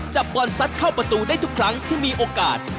บอลซัดเข้าประตูได้ทุกครั้งที่มีโอกาส